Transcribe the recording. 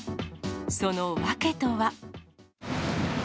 その訳とは。